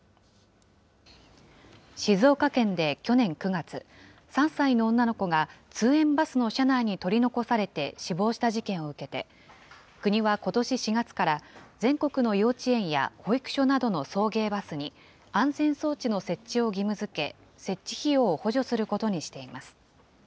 静岡県で去年９月、３歳の女の子が通園バスの車内に取り残されて死亡した事件を受けて、国はことし４月から、全国の幼稚園や保育所などの送迎バスに、安全装置の設置を義務づけ、設置費用を補助することにしています。